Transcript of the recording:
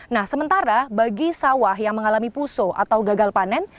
nah sementara bagi sawah yang mengalami puso atau gagal panen